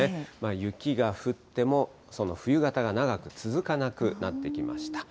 雪が降っても、その冬型が長く続かなくなってきました。